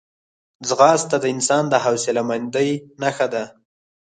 ځغاسته د انسان د حوصلهمندۍ نښه ده